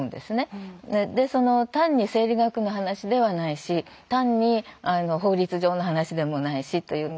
でその単に生理学の話ではないし単に法律上の話でもないしという。